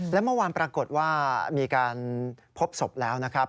และเมื่อวานปรากฏว่ามีการพบศพแล้วนะครับ